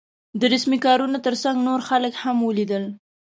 د رسمي کارونو تر څنګ نور خلک هم ولیدل.